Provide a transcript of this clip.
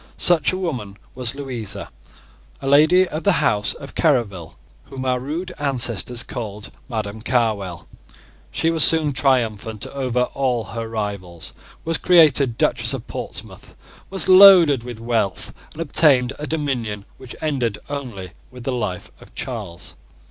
Such a woman was Louisa, a lady of the House of Querouaille, whom our rude ancestors called Madam Carwell. She was soon triumphant over all her rivals, was created Duchess of Portsmouth, was loaded with wealth, and obtained a dominion which ended only with the life of Charles.